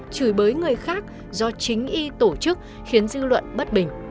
chửi bới người khác do chính y tổ chức khiến dư luận bất bình